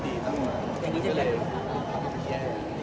ขยี้เก่งจังเลย